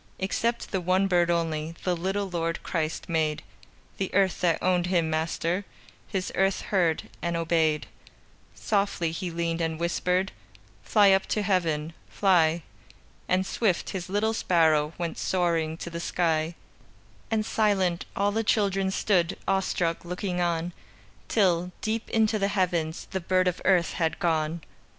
Except the one bird only The little Lord Christ made; The earth that owned Him Master, His earth heard and obeyed. Softly He leaned and whispered: "Fly up to Heaven! Fly!" And swift, His little sparrow Went soaring to the sky, And silent, all the children Stood, awestruck, looking on, Till, deep into the heavens, The bird of earth had gone.